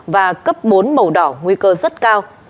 và cấp bốn màu đỏ nguy cơ rất cao